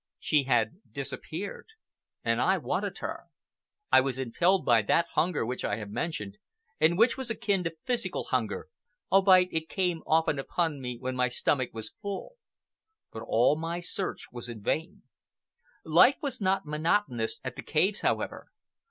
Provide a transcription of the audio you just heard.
She had disappeared. And I wanted her. I was impelled by that hunger which I have mentioned, and which was akin to physical hunger, albeit it came often upon me when my stomach was full. But all my search was vain. Life was not monotonous at the caves, however.